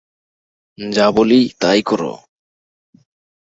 যা বলি তাই কর!